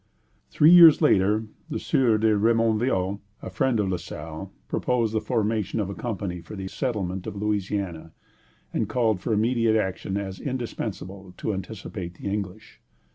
Three years later, the Sieur de Rémonville, a friend of La Salle, proposed the formation of a company for the settlement of Louisiana, and called for immediate action as indispensable to anticipate the English.